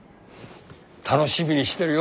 楽しみにしてるよ。